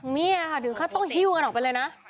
นี่อ่ะดึงเขาต้องฮิวกันออกไปเลยนะ